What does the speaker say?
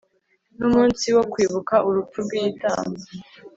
Ni umunsi wo kwibuka urupfu rw igitambo